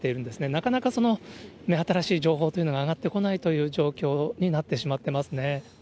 なかなか目新しい情報というのが上がってこないという状況になってしまってますね。